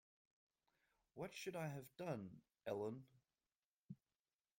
What should I have done, Ellen?